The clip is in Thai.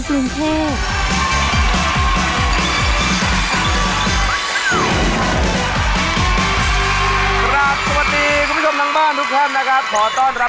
กราบสวัสดีคุณผู้ชมทางบ้านทุกครั้งนะครับ